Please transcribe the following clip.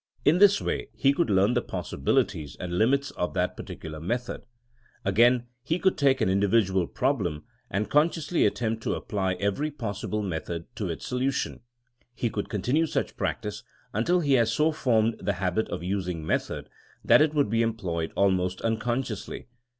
In this way he could learn the possibilities and limits of that particu lar method. Again, he could take an individual problem and consciously attempt to apply every THINEXNG AS A 80IEN0E 243 possible method to its solution. He could con tinue such practice until he had so formed the habit of using method that it would be employed almost unconsciously.